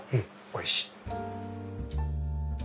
おいしい！